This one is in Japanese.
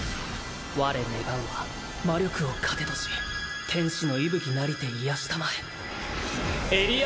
我願うは魔力を糧とし天使の息吹なりて癒やし給えエリア